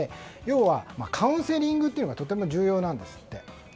要はカウンセリングというのが非常に重要なんですって。